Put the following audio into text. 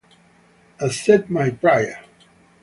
Accept my prayer'.